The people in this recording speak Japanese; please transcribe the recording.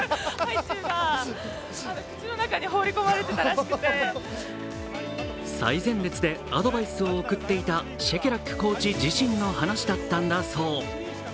しかし、実際には最前線でアドバイスを送っていたシェケラックコーチ自身の話だったんだそう。